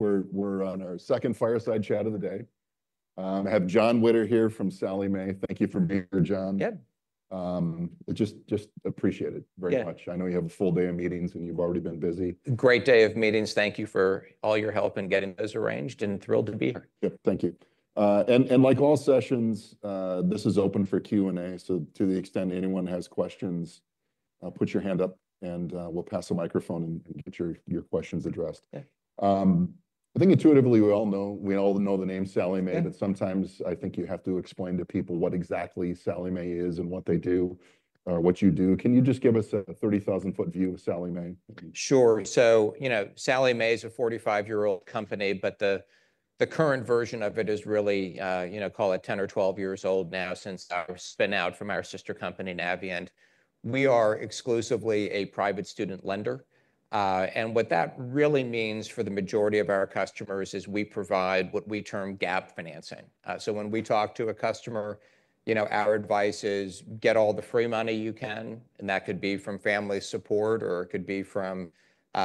We're on our second fireside chat of the day. I have Jon Witter, here from Sallie Mae. Thank you for being here, Jon. Good. Just appreciate it very much. I know you have a full day of meetings, and you've already been busy. Great day of meetings. Thank you for all your help in getting those arranged, and thrilled to be here. Yep, thank you. And like all sessions, this is open for Q&A. So to the extent anyone has questions, put your hand up, and we'll pass a microphone and get your questions addressed. I think intuitively we all know the name Sallie Mae, but sometimes I think you have to explain to people what exactly Sallie Mae is and what they do, or what you do. Can you just give us a 30,000-foot view of Sallie Mae? Sure. So, you know, Sallie Mae is a 45-year-old company, but the current version of it is really, you know, call it 10 or 12 years old now since our spin-out from our sister company, Navient. We are exclusively a private student lender. And what that really means for the majority of our customers is we provide what we term gap financing. So when we talk to a customer, you know, our advice is, get all the free money you can, and that could be from family support, or it could be from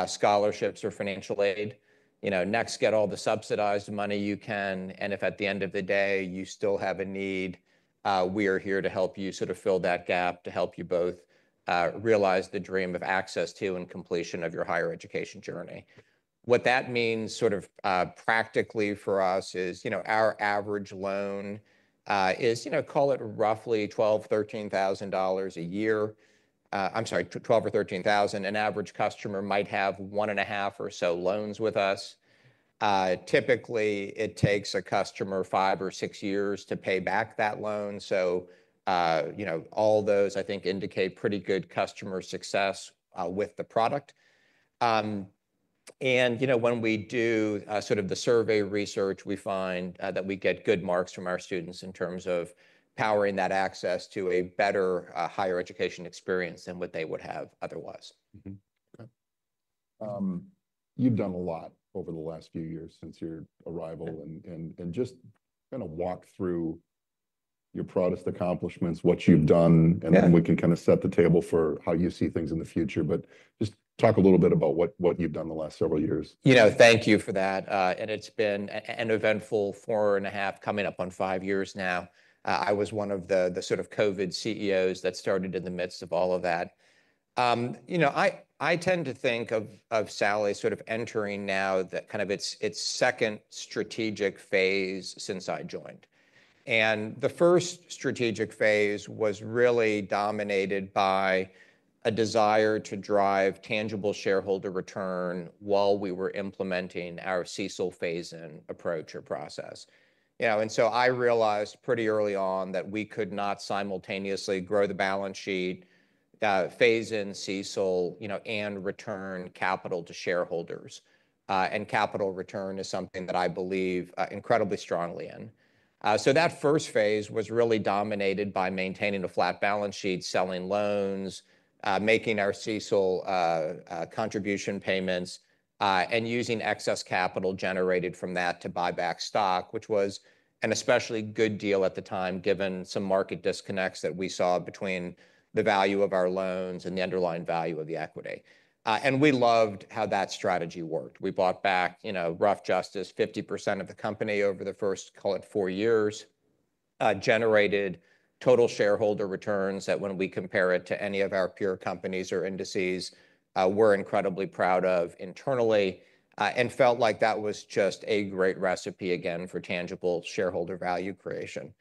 scholarships or financial aid. You know, next, get all the subsidized money you can. And if at the end of the day you still have a need, we are here to help you sort of fill that gap to help you both realize the dream of access to and completion of your higher education journey. What that means sort of practically for us is, you know, our average loan is, you know, call it roughly $12,000, $13,000 a year. I'm sorry, $12,000-$13,000. An average customer might have one and a half or so loans with us. Typically, it takes a customer five or six years to pay back that loan. So, you know, all those, I think, indicate pretty good customer success with the product. And, you know, when we do sort of the survey research, we find that we get good marks from our students in terms of powering that access to a better higher education experience than what they would have otherwise. You've done a lot over the last few years since your arrival, and just kind of walk through your proudest accomplishments, what you've done, and then we can kind of set the table for how you see things in the future but just talk a little bit about what you've done the last several years. Yeah, thank you for that, and it's been an eventful four and a half, coming up on five years now. I was one of the sort of COVID CEOs that started in the midst of all of that. You know, I tend to think of Sallie sort of entering now that kind of its second strategic phase since I joined, and the first strategic phase was really dominated by a desire to drive tangible shareholder return while we were implementing our CECL phase-in approach or process. You know, and so I realized pretty early on that we could not simultaneously grow the balance sheet, phase-in CECL, you know, and return capital to shareholders, and capital return is something that I believe incredibly strongly in. That first phase was really dominated by maintaining a flat balance sheet, selling loans, making our CECL contribution payments, and using excess capital generated from that to buy back stock, which was an especially good deal at the time, given some market disconnects that we saw between the value of our loans and the underlying value of the equity. And we loved how that strategy worked. We bought back, you know, rough justice, 50% of the company over the first, call it, four years, generated total shareholder returns that when we compare it to any of our peer companies or indices, we're incredibly proud of internally, and felt like that was just a great recipe again for tangible shareholder value creation.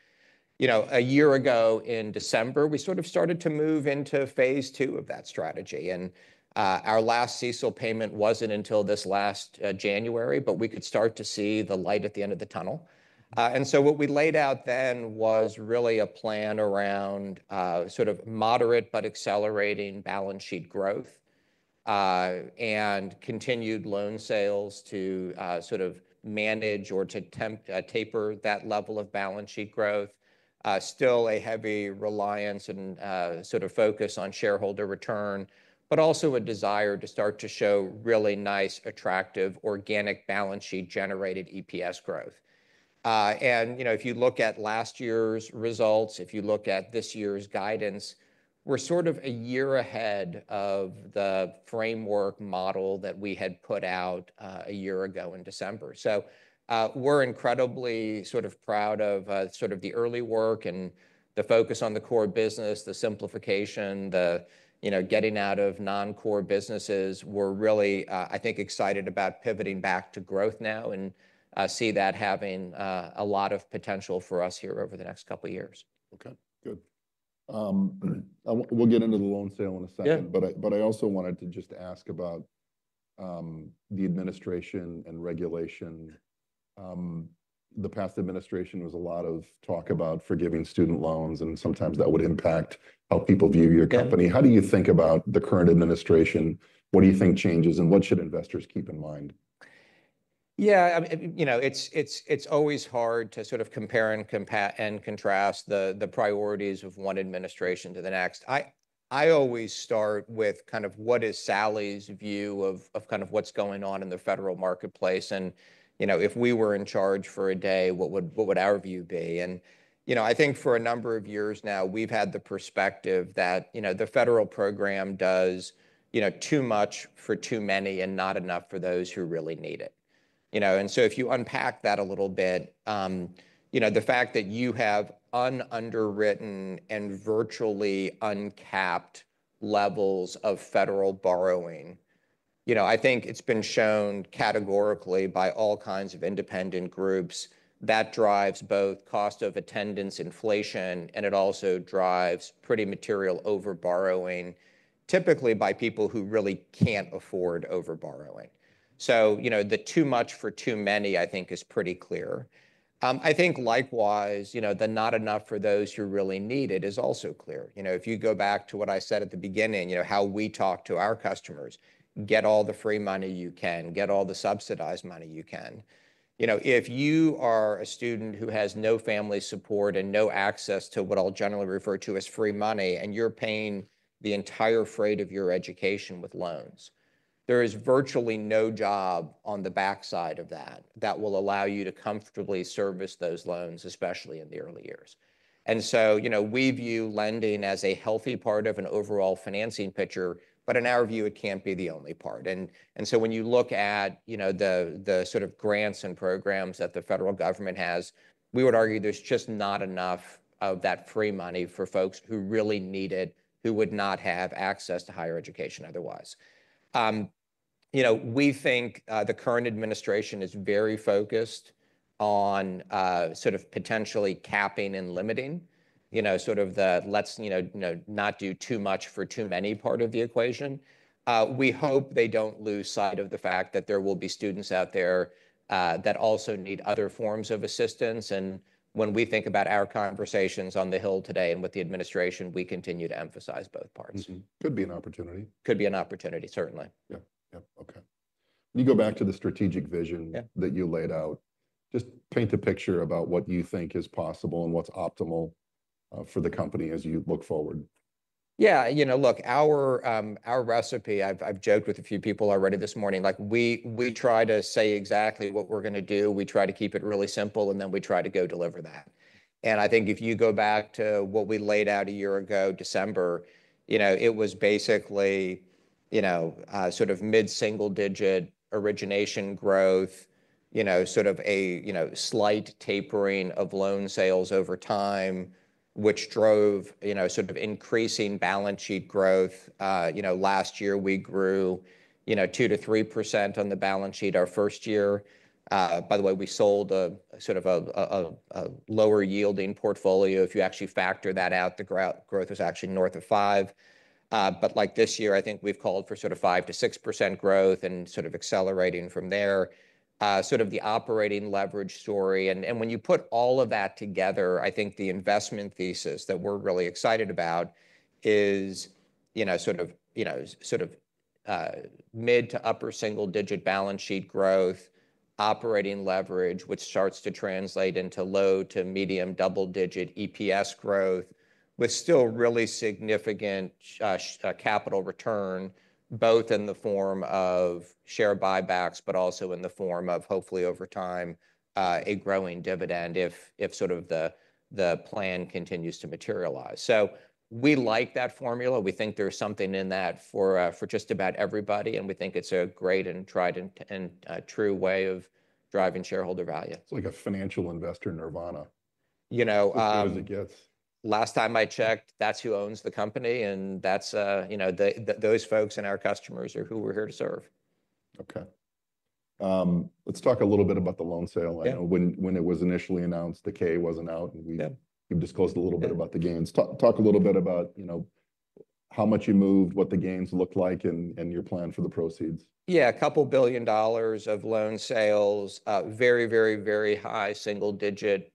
You know, a year ago in December, we sort of started to move into phase two of that strategy. And our last CECL payment wasn't until this last January, but we could start to see the light at the end of the tunnel. And so what we laid out then was really a plan around sort of moderate but accelerating balance sheet growth and continued loan sales to sort of manage or to taper that level of balance sheet growth. Still a heavy reliance and sort of focus on shareholder return, but also a desire to start to show really nice, attractive, organic balance sheet-generated EPS growth. And, you know, if you look at last year's results, if you look at this year's guidance, we're sort of a year ahead of the framework model that we had put out a year ago in December. We're incredibly sort of proud of sort of the early work and the focus on the core business, the simplification, the, you know, getting out of non-core businesses. We're really, I think, excited about pivoting back to growth now and see that having a lot of potential for us here over the next couple of years. Okay, good. We'll get into the loan sale in a second, but I also wanted to just ask about the administration and regulation. The past administration was a lot of talk about forgiving student loans, and sometimes that would impact how people view your company. How do you think about the current administration? What do you think changes, and what should investors keep in mind? Yeah, you know, it's always hard to sort of compare and contrast the priorities of one administration to the next. I always start with kind of what is Sallie's view of kind of what's going on in the federal marketplace. And, you know, if we were in charged for a day what would our view day, and, you know, I think for a number of years now, we've had the perspective that, you know, the federal program does, you know, too much for too many and not enough for those who really need it. You know, and so if you unpack that a little bit, you know, the fact that you have unwritten and virtually uncapped levels of federal borrowing, you know, I think it's been shown categorically by all kinds of independent groups that drives both cost of attendance inflation, and it also drives pretty material overborrowing, typically by people who really can't afford overborrowing. So, you know, the too much for too many, I think, is pretty clear. I think likewise, you know, the not enough for those who really need it is also clear. You know, if you go back to what I said at the beginning, you know, how we talk to our customers, get all the free money you can, get all the subsidized money you can. You know, if you are a student who has no family support and no access to what I'll generally refer to as free money, and you're paying the entire freight of your education with loans, there is virtually no job on the backside of that that will allow you to comfortably service those loans, especially in the early years. And so, you know, we view lending as a healthy part of an overall financing picture, but in our view, it can't be the only part. And so when you look at, you know, the sort of grants and programs that the federal government has, we would argue there's just not enough of that free money for folks who really need it, who would not have access to higher education otherwise. You know, we think the current administration is very focused on sort of potentially capping and limiting, you know, sort of the, let's, you know, not do too much for too many part of the equation. We hope they don't lose sight of the fact that there will be students out there that also need other forms of assistance, and when we think about our conversations on the Hill today and with the administration, we continue to emphasize both parts. Could be an opportunity. Could be an opportunity, certainly. Yeah, yeah, okay. When you go back to the strategic vision that you laid out, just paint a picture about what you think is possible and what's optimal for the company as you look forward. Yeah, you know, look, our recipe, I've joked with a few people already this morning, like we try to say exactly what we're going to do. We try to keep it really simple, and then we try to go deliver that, and I think if you go back to what we laid out a year ago, December, you know, it was basically, you know, sort of mid-single-digit origination growth, you know, sort of a, you know, slight tapering of loan sales over time, which drove, you know, sort of increasing balance sheet growth. You know, last year we grew, you know, 2%-3% on the balance sheet our first year. By the way, we sold a sort of a lower-yielding portfolio. If you actually factor that out, the growth was actually north of 5%. But, like this year, I think we've called for sort of 5%-6% growth and sort of accelerating from there. Sort of the operating leverage story. When you put all of that together, I think the investment thesis that we're really excited about is, you know, sort of, you know, sort of mid- to upper single-digit balance sheet growth, operating leverage, which starts to translate into low- to medium double-digit EPS growth with still really significant capital return, both in the form of share buybacks, but also in the form of hopefully over time a growing dividend if sort of the plan continues to materialize. We like that formula. We think there's something in that for just about everybody, and we think it's a great and tried and true way of driving shareholder value. It's like a financial investor nirvana. You know. That's the way it gets. Last time I checked, that's who owns the company, and that's, you know, those folks and our customers are who we're here to serve. Okay. Let's talk a little bit about the loan sale. I know when it was initially announced, the 10-K wasn't out, and we've disclosed a little bit about the gains. Talk a little bit about, you know, how much you moved, what the gains looked like, and your plan for the proceeds. Yeah, $2 billion of loan sales, very, very, very high single-digit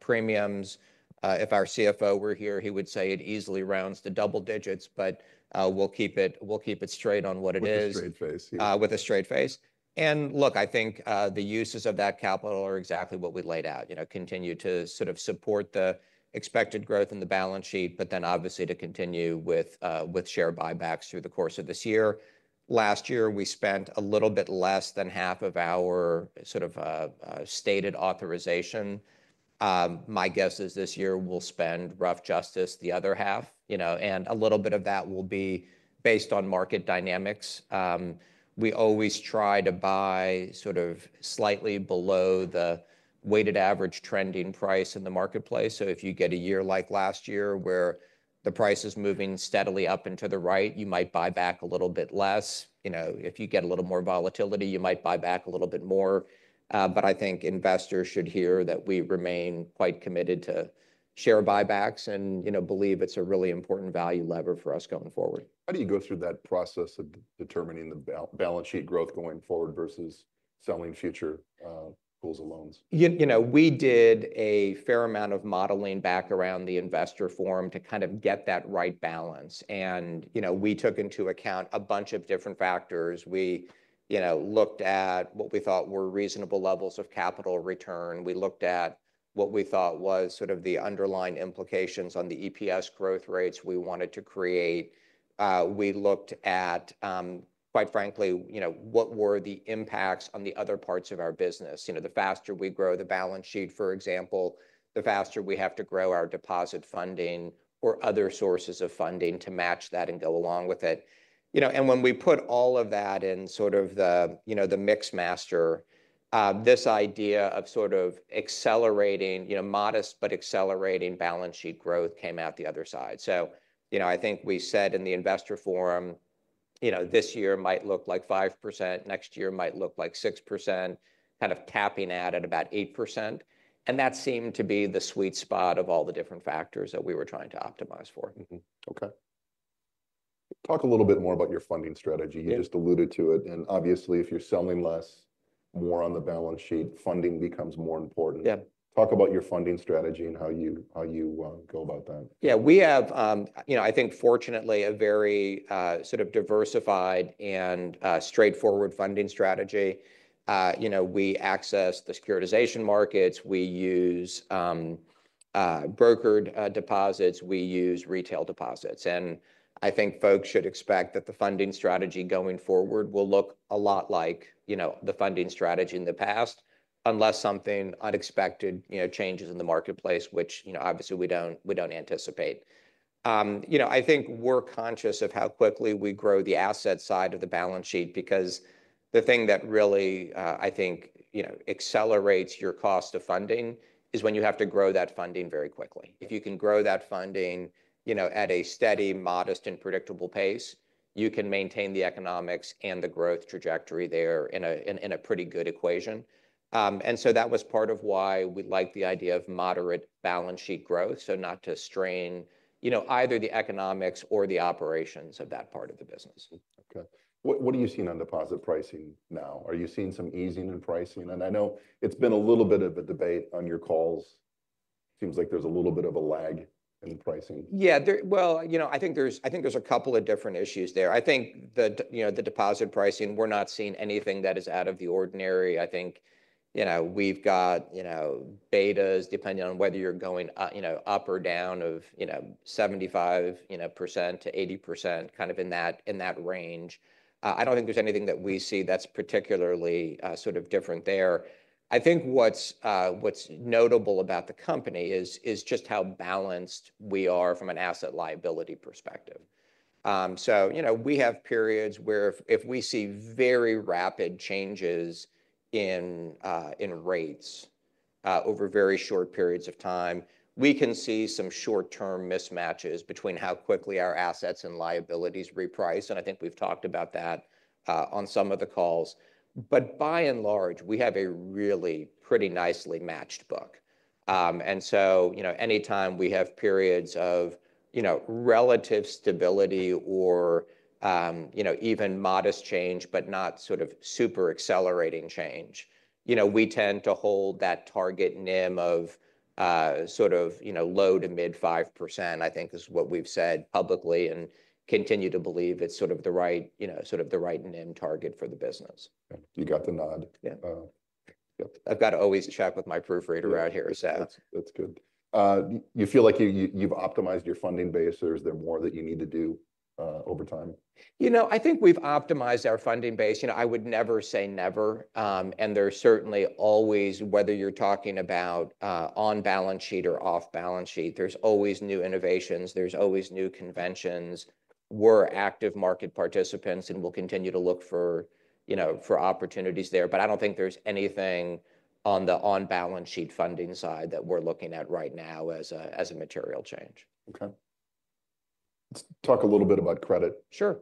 premiums. If our CFO were here, he would say it easily rounds to double digits, but we'll keep it straight on what it is. With a straight face. With a straight face and look, I think the uses of that capital are exactly what we laid out, you know, continue to sort of support the expected growth in the balance sheet, but then obviously to continue with share buybacks through the course of this year. Last year, we spent a little bit less than half of our sort of stated authorization. My guess is this year we'll spend roughly the other half, you know, and a little bit of that will be based on market dynamics. We always try to buy sort of slightly below the weighted average trading price in the marketplace. So if you get a year like last year where the price is moving steadily up and to the right, you might buy back a little bit less. You know, if you get a little more volatility, you might buy back a little bit more. But I think investors should hear that we remain quite committed to share buybacks and, you know, believe it's a really important value lever for us going forward. How do you go through that process of determining the balance sheet growth going forward versus selling future pools of loans? You know, we did a fair amount of modeling back around the investor forum to kind of get that right balance. And, you know, we took into account a bunch of different factors. We, you know, looked at what we thought were reasonable levels of capital return. We looked at what we thought was sort of the underlying implications on the EPS growth rates we wanted to create. We looked at, quite frankly, you know, what were the impacts on the other parts of our business. You know, the faster we grow the balance sheet, for example, the faster we have to grow our deposit funding or other sources of funding to match that and go along with it. You know, and when we put all of that in sort of the, you know, the Mixmaster, this idea of sort of accelerating, you know, modest but accelerating balance sheet growth came out the other side. So, you know, I think we said in the investor forum, you know, this year might look like 5%, next year might look like 6%, kind of capping at about 8%. And that seemed to be the sweet spot of all the different factors that we were trying to optimize for. Okay. Talk a little bit more about your funding strategy. You just alluded to it. And obviously, if you're selling less, more on the balance sheet, funding becomes more important. Talk about your funding strategy and how you go about that. Yeah, we have, you know, I think fortunately a very sort of diversified and straightforward funding strategy. You know, we access the securitization markets. We use brokered deposits. We use retail deposits. And I think folks should expect that the funding strategy going forward will look a lot like, you know, the funding strategy in the past, unless something unexpected, you know, changes in the marketplace, which, you know, obviously we don't anticipate. You know, I think we're conscious of how quickly we grow the asset side of the balance sheet, because the thing that really, I think, you know, accelerates your cost of funding is when you have to grow that funding very quickly. If you can grow that funding, you know, at a steady, modest, and predictable pace, you can maintain the economics and the growth trajectory there in a pretty good equation. And so that was part of why we liked the idea of moderate balance sheet growth, so not to strain, you know, either the economics or the operations of that part of the business. Okay. What are you seeing on deposit pricing now? Are you seeing some easing in pricing? And I know it's been a little bit of a debate on your calls. Seems like there's a little bit of a lag in the pricing. Yeah, well, you know, I think there's a couple of different issues there. I think the, you know, the deposit pricing, we're not seeing anything that is out of the ordinary. I think, you know, we've got, you know, betas depending on whether you're going, you know, up or down of, you know, 75%-80%, kind of in that range. I don't think there's anything that we see that's particularly sort of different there. I think what's notable about the company is just how balanced we are from an asset liability perspective. So, you know, we have periods where if we see very rapid changes in rates over very short periods of time, we can see some short-term mismatches between how quickly our assets and liabilities reprice, and I think we've talked about that on some of the calls. But by and large, we have a really pretty nicely matched book. And so, you know, anytime we have periods of, you know, relative stability or, you know, even modest change, but not sort of super accelerating change, you know, we tend to hold that target NIM of sort of, you know, low to mid 5%, I think is what we've said publicly and continue to believe it's sort of the right, you know, sort of the right NIM target for the business. You got the nod. Yeah. I've got to always check with my proofreader out here, so. That's good. You feel like you've optimized your funding base? There's more that you need to do over time? You know, I think we've optimized our funding base. You know, I would never say never, and there's certainly always, whether you're talking about on-balance sheet or off-balance sheet, there's always new innovations. There's always new conventions. We're active market participants and we'll continue to look for, you know, for opportunities there, but I don't think there's anything on the on-balance sheet funding side that we're looking at right now as a material change. Okay. Let's talk a little bit about credit. Sure.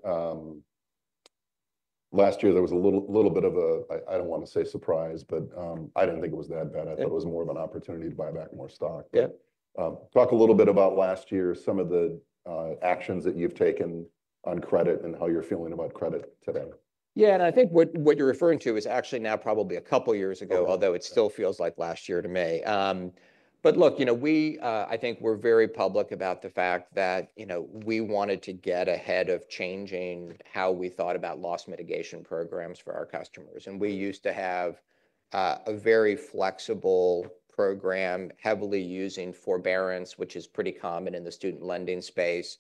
Last year, there was a little bit of a, I don't want to say surprise, but I didn't think it was that bad. I thought it was more of an opportunity to buy back more stock. Yeah. Talk a little bit about last year, some of the actions that you've taken on credit and how you're feeling about credit today? Yeah, and I think what you're referring to is actually now probably a couple years ago, although it still feels like last year to me. But look, you know, I think we're very public about the fact that, you know, we wanted to get ahead of changing how we thought about loss mitigation programs for our customers. And we used to have a very flexible program, heavily using forbearance, which is pretty common in the student lending space,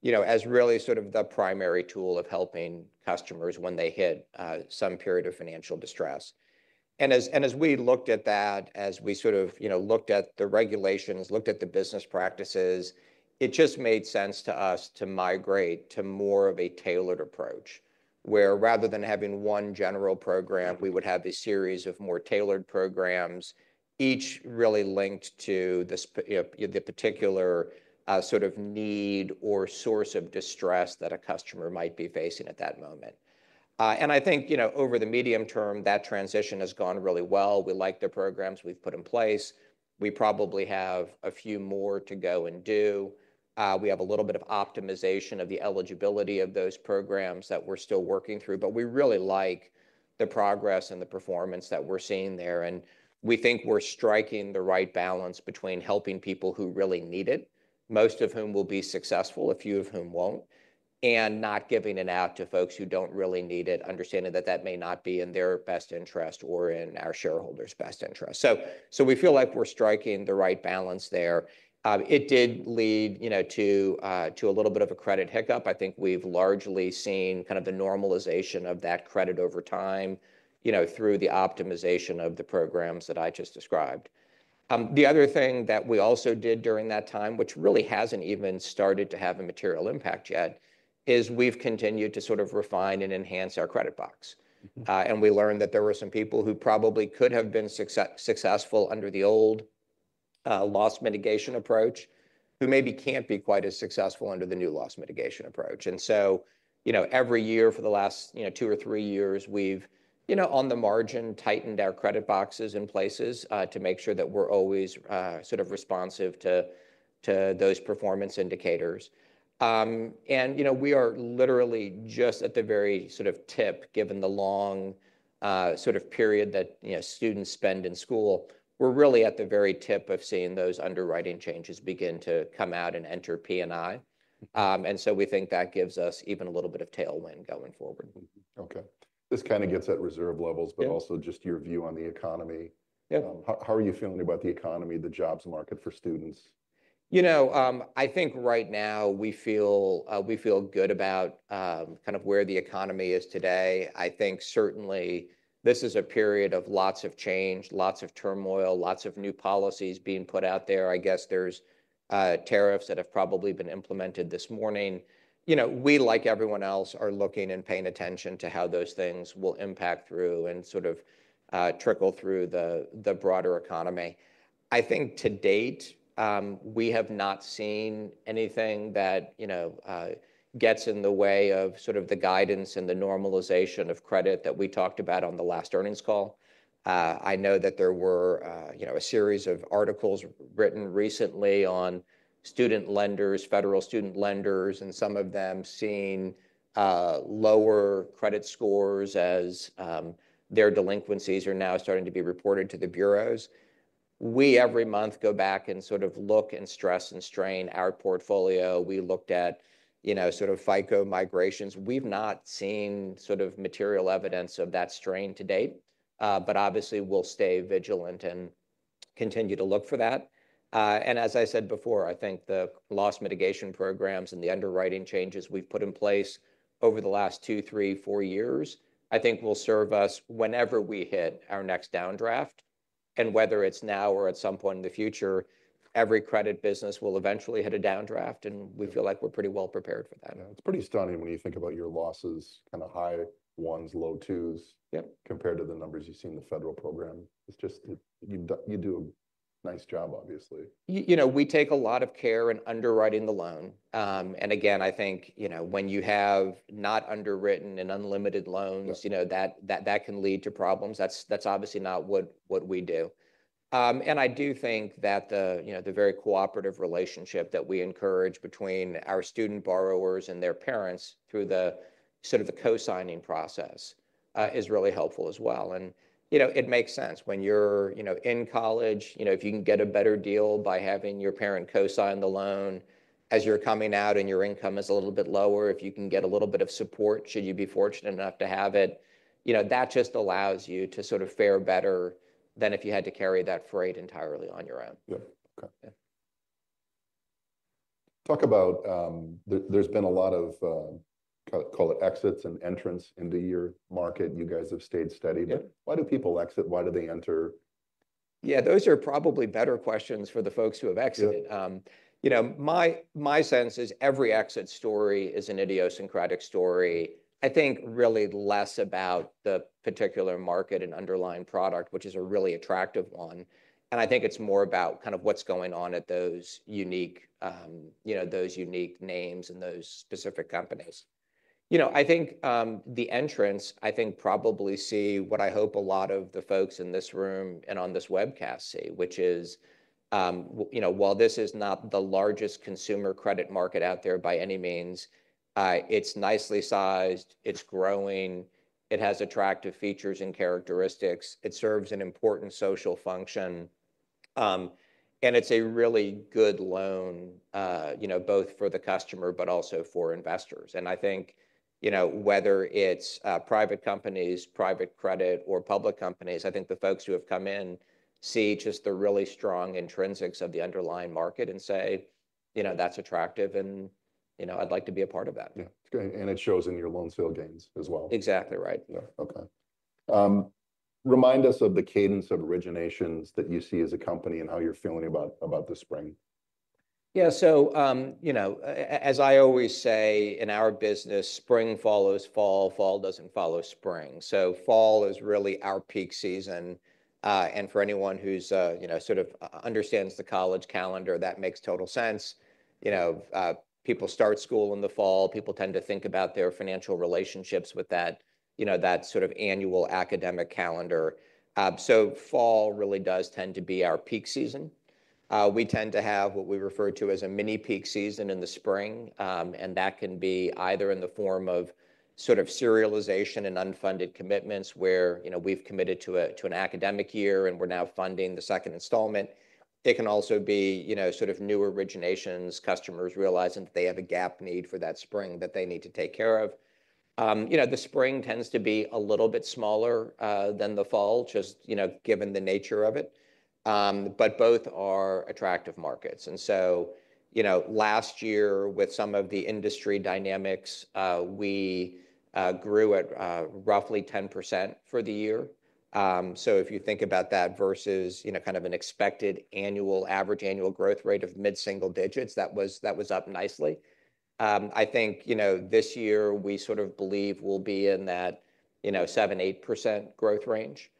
you know, as really sort of the primary tool of helping customers when they hit some period of financial distress. As we looked at that, as we sort of, you know, looked at the regulations, looked at the business practices, it just made sense to us to migrate to more of a tailored approach, where rather than having one general program, we would have a series of more tailored programs, each really linked to the particular sort of need or source of distress that a customer might be facing at that moment. I think, you know, over the medium term, that transition has gone really well. We like the programs we've put in place. We probably have a few more to go and do. We have a little bit of optimization of the eligibility of those programs that we're still working through, but we really like the progress and the performance that we're seeing there. We think we're striking the right balance between helping people who really need it, most of whom will be successful, a few of whom won't, and not giving it out to folks who don't really need it, understanding that that may not be in their best interest or in our shareholders' best interest. We feel like we're striking the right balance there. It did lead, you know, to a little bit of a credit hiccup. I think we've largely seen kind of the normalization of that credit over time, you know, through the optimization of the programs that I just described. The other thing that we also did during that time, which really hasn't even started to have a material impact yet, is we've continued to sort of refine and enhance our credit box. And we learned that there were some people who probably could have been successful under the old loss mitigation approach who maybe can't be quite as successful under the new loss mitigation approach. And so, you know, every year for the last, you know, two or three years, we've, you know, on the margin, tightened our credit boxes in places to make sure that we're always sort of responsive to those performance indicators. And, you know, we are literally just at the very sort of tip, given the long sort of period that, you know, students spend in school, we're really at the very tip of seeing those underwriting changes begin to come out and enter P&I. And so we think that gives us even a little bit of tailwind going forward. Okay. This kind of gets at reserve levels, but also just your view on the economy. How are you feeling about the economy, the jobs market for students? You know, I think right now we feel good about kind of where the economy is today. I think certainly this is a period of lots of change, lots of turmoil, lots of new policies being put out there. I guess there's tariffs that have probably been implemented this morning. You know, we, like everyone else, are looking and paying attention to how those things will impact through and sort of trickle through the broader economy. I think to date, we have not seen anything that, you know, gets in the way of sort of the guidance and the normalization of credit that we talked about on the last earnings call. I know that there were, you know, a series of articles written recently on student lenders, federal student lenders, and some of them seeing lower credit scores as their delinquencies are now starting to be reported to the bureaus. We, every month, go back and sort of look and stress and strain our portfolio. We looked at, you know, sort of FICO migrations. We've not seen sort of material evidence of that strain to date, but obviously we'll stay vigilant and continue to look for that. And as I said before, I think the loss mitigation programs and the underwriting changes we've put in place over the last two, three, four years, I think will serve us whenever we hit our next downdraft. And whether it's now or at some point in the future, every credit business will eventually hit a downdraft, and we feel like we're pretty well prepared for that. It's pretty stunning when you think about your losses, kind of high ones, low twos, compared to the numbers you've seen in the federal program. It's just you do a nice job, obviously. You know, we take a lot of care in underwriting the loan. And again, I think, you know, when you have not underwritten and unlimited loans, you know, that can lead to problems. That's obviously not what we do. And I do think that the, you know, the very cooperative relationship that we encourage between our student borrowers and their parents through the sort of the co-signing process is really helpful as well. And, you know, it makes sense when you're, you know, in college, you know, if you can get a better deal by having your parent co-sign the loan as you're coming out and your income is a little bit lower, if you can get a little bit of support, should you be fortunate enough to have it, you know, that just allows you to sort of fare better than if you had to carry that freight entirely on your own. Yeah. Okay. Talk about there's been a lot of, call it, exits and entrants into your market. You guys have stayed steady. But why do people exit? Why do they enter? Yeah, those are probably better questions for the folks who have exited. You know, my sense is every exit story is an idiosyncratic story. I think really less about the particular market and underlying product, which is a really attractive one. And I think it's more about kind of what's going on at those unique, you know, those unique names and those specific companies. You know, I think the entrants, I think probably see what I hope a lot of the folks in this room and on this webcast see, which is, you know, while this is not the largest consumer credit market out there by any means, it's nicely sized, it's growing, it has attractive features and characteristics, it serves an important social function, and it's a really good loan, you know, both for the customer, but also for investors. I think, you know, whether it's private companies, private credit, or public companies, I think the folks who have come in see just the really strong intrinsics of the underlying market and say, you know, that's attractive and, you know, I'd like to be a part of that. Yeah. And it shows in your loan sale gains as well. Exactly right. Yeah. Okay. Remind us of the cadence of originations that you see as a company and how you're feeling about the spring? Yeah. So, you know, as I always say in our business, spring follows fall, fall doesn't follow spring. So fall is really our peak season. And for anyone who's, you know, sort of understands the college calendar, that makes total sense. You know, people start school in the fall, people tend to think about their financial relationships with that, you know, that sort of annual academic calendar. So fall really does tend to be our peak season. We tend to have what we refer to as a mini peak season in the spring. And that can be either in the form of sort of disbursement and unfunded commitments where, you know, we've committed to an academic year and we're now funding the second installment. It can also be, you know, sort of new originations, customers realizing that they have a gap need for that spring that they need to take care of. You know, the spring tends to be a little bit smaller than the fall, just, you know, given the nature of it. But both are attractive markets. And so, you know, last year with some of the industry dynamics, we grew at roughly 10% for the year. So if you think about that versus, you know, kind of an expected annual average growth rate of mid-single digits, that was up nicely. I think, you know, this year we sort of believe we'll be in that, you know, 7%-8% growth range.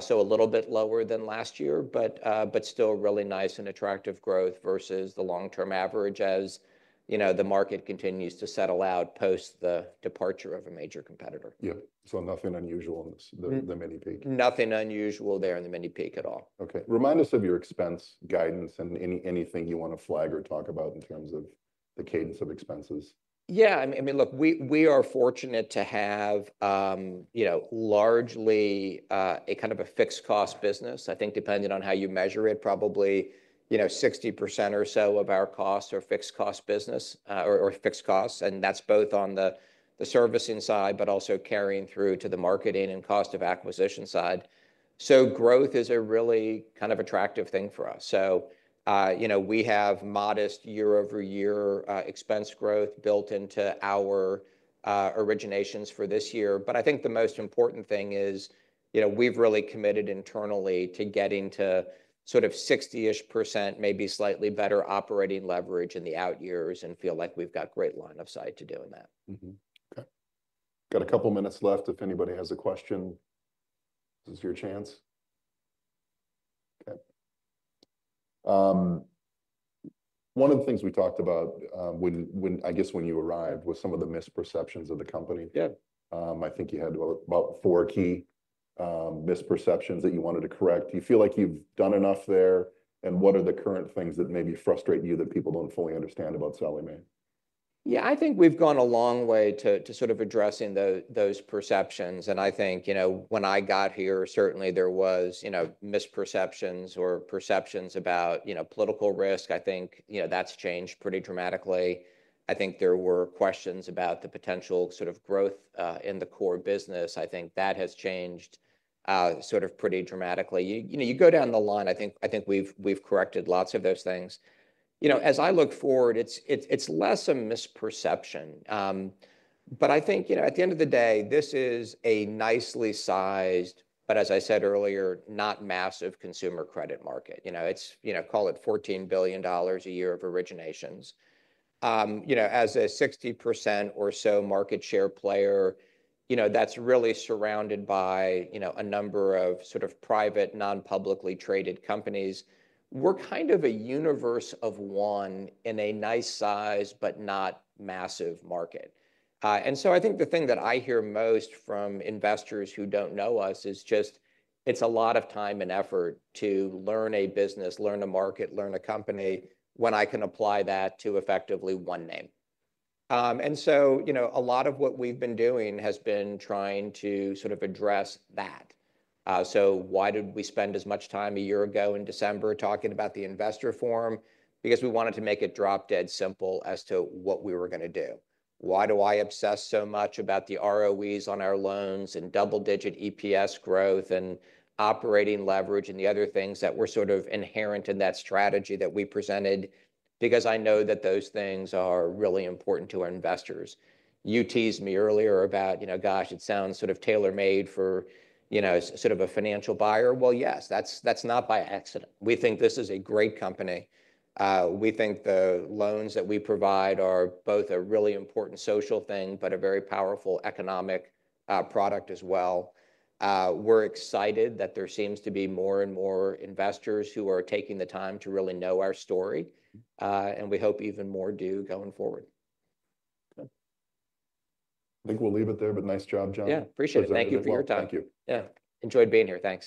So a little bit lower than last year, but still really nice and attractive growth versus the long-term average as, you know, the market continues to settle out post the departure of a major competitor. Yeah, so nothing unusual in the mini peak. Nothing unusual there in the mini peak at all. Okay. Remind us of your expense guidance and anything you want to flag or talk about in terms of the cadence of expenses? Yeah. I mean, look, we are fortunate to have, you know, largely a kind of a fixed cost business. I think depending on how you measure it, probably, you know, 60% or so of our costs are fixed cost business or fixed costs. And that's both on the servicing side, but also carrying through to the marketing and cost of acquisition side. So growth is a really kind of attractive thing for us. So, you know, we have modest year-over-year expense growth built into our originations for this year. But I think the most important thing is, you know, we've really committed internally to getting to sort of 60-ish%, maybe slightly better operating leverage in the out years and feel like we've got great line of sight to doing that. Okay. Got a couple minutes left if anybody has a question. This is your chance. Okay. One of the things we talked about, I guess when you arrived, was some of the misperceptions of the company. Yeah. I think you had about four key misperceptions that you wanted to correct. Do you feel like you've done enough there? And what are the current things that maybe frustrate you that people don't fully understand about Sallie Mae? Yeah, I think we've gone a long way to sort of addressing those perceptions. And I think, you know, when I got here, certainly there was, you know, misperceptions or perceptions about, you know, political risk. I think, you know, that's changed pretty dramatically. I think there were questions about the potential sort of growth in the core business. I think that has changed sort of pretty dramatically. You know, you go down the line, I think we've corrected lots of those things. You know, as I look forward, it's less a misperception. But I think, you know, at the end of the day, this is a nicely sized, but as I said earlier, not massive consumer credit market. You know, it's, you know, call it $14 billion a year of originations. You know, as a 60% or so market share player, you know, that's really surrounded by, you know, a number of sort of private non-publicly traded companies. We're kind of a universe of one in a nice size, but not massive market, and so I think the thing that I hear most from investors who don't know us is just it's a lot of time and effort to learn a business, learn a market, learn a company when I can apply that to effectively one name, and so, you know, a lot of what we've been doing has been trying to sort of address that, so why did we spend as much time a year ago in December talking about the investor forum? Because we wanted to make it drop dead simple as to what we were going to do. Why do I obsess so much about the ROEs on our loans and double-digit EPS growth and operating leverage and the other things that were sort of inherent in that strategy that we presented? Because I know that those things are really important to our investors. You teased me earlier about, you know, gosh, it sounds sort of tailor-made for, you know, sort of a financial buyer. Well, yes, that's not by accident. We think this is a great company. We think the loans that we provide are both a really important social thing, but a very powerful economic product as well. We're excited that there seems to be more and more investors who are taking the time to really know our story. And we hope even more do going forward. Okay. I think we'll leave it there, but nice job, Jon. Yeah, appreciate it. Thank you for your time. Thank you. Yeah. Enjoyed being here, thanks.